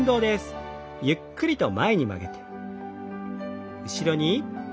ゆっくりと前に曲げて。